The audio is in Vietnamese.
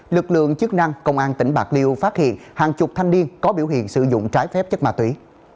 lực lượng chức năng công an tỉnh bạc liêu phát hiện hàng chục thanh niên có biểu hiện sử dụng trái phép chất ma túy